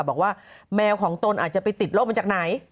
บอกว่าแมวของตนอาจจะไปติดโรคมาจากไหน